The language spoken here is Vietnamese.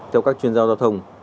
theo các chuyên gia giao thông